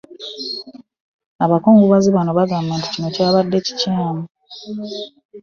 Abakungubazi bano bagamba nti kino kyabadde kikyamu